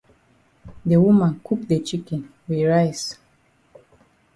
De woman cook de chicken wit rice.